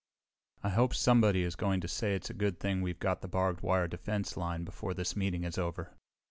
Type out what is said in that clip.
I hope somebody is going to say it's a good thing we've got the barbed wire defense line before this meeting is over!